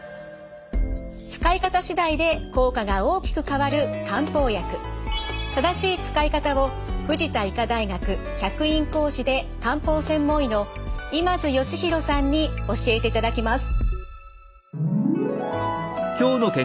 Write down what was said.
使い方しだいで効果が大きく変わる漢方薬正しい使い方を藤田医科大学客員講師で漢方専門医の今津嘉宏さんに教えていただきます。